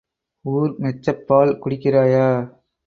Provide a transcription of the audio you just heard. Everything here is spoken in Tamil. ஊர் மெச்சப் பால் குடிக்கிறாயா?